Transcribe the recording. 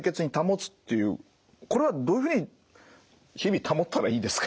これはどういうふうに日々保ったらいいですか？